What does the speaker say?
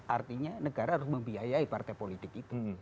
artinya negara harus membiayai partai politik itu